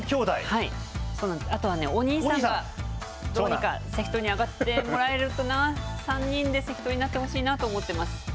あとはお兄さんがどうにか関取に上がってもらえるとな、３人で関取になってほしいなと思っています。